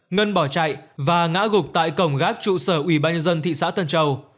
ngân bỏ chạy và ngã gục tại cổng gác trụ sở ủy ban nhân dân thị xã tân châu